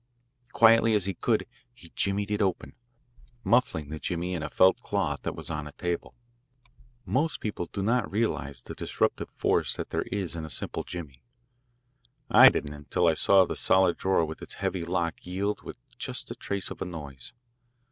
Quietly as he could, he jimmied it open, muffling the jimmy in a felt cloth that was on a table. Most people do not realise the disruptive force that there is in a simple jimmy. I didn't until I saw the solid drawer with its heavy lock yield with just the trace of a noise.